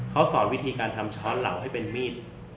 เขาสอนวิธีการทำช้อนเหล่าให้เป็นมีด